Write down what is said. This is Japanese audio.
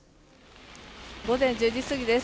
午前１０時すぎです。